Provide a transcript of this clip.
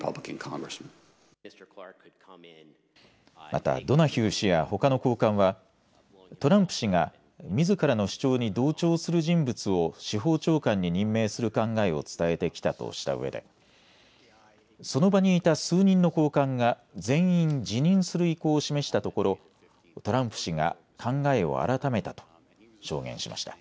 またドナヒュー氏やほかの高官はトランプ氏がみずからの主張に同調する人物を司法長官に任命する考えを伝えてきたとしたうえでその場にいた数人の高官が全員、辞任する意向を示したところトランプ氏が考えを改めたと証言しました。